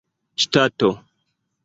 ŝtato